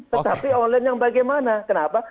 tetapi online yang bagaimana kenapa